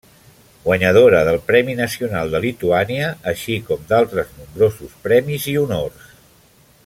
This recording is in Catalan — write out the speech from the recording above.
Guanyadora del Premi Nacional de Lituània, així com d'altres nombrosos premis i honors.